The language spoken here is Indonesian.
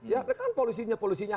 ya mereka kan polisinya polisinya agung